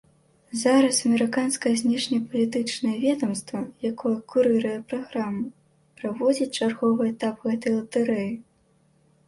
Зараз амерыканскае знешнепалітычнае ведамства, якое курыруе праграму, праводзіць чарговы этап гэтай латарэі.